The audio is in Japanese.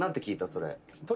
それ」